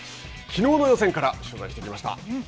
きのうの予選から取材してきました。